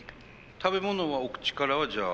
食べ物はお口からはじゃあ。